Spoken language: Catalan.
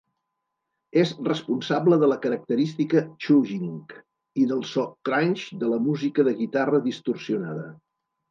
És responsable de la característica "chugging" i del so "crunch" de la música de guitarra distorsionada.